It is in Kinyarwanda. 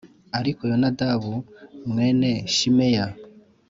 Ariko Yonadabu mwene Shimeya